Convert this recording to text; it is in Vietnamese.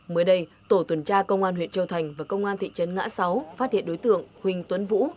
mới đây tổ tuần tra công an huyện châu thành và công an thị trấn ngã sáu phát hiện đối tượng huỳnh tuấn vũ